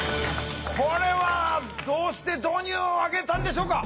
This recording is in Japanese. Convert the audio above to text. これはどうして導入をあげたんでしょうか？